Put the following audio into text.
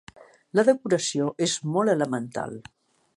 La decoració és molt elemental.